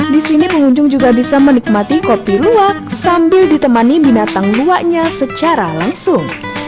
di sini pengunjung juga bisa menikmati kopi luwak sambil ditemani binatang luwaknya secara langsung